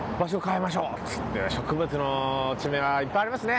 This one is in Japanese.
植物の地名はいっぱいありますね。